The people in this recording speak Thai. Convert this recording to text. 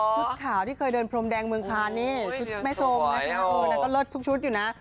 ชุดขาวที่เคยเดินพรมแดงเมืองภาคชุดแม่โชมแล้วก็เลิศทุกชุดอยู่นะ